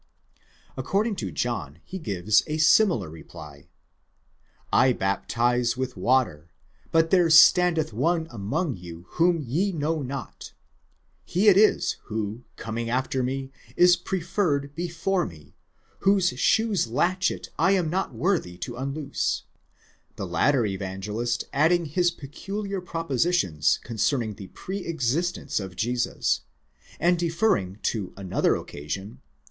According to John he gives a similar reply: J baptize with water ; but there standeth one among you whom ye know not; He tt is who coming after me is pre Jerred before me, whose shoes latchet I am not worthy to unioose : the latter Evangelist adding his peculiar propositions concerning the pre existence of Jesus, and deferring to another occasion (v.